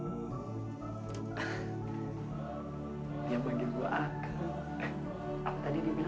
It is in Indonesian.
apa tadi dia bilang